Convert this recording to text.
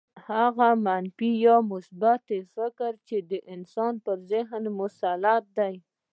هغه منفي يا مثبت افکار چې د انسان پر ذهن مسلط دي.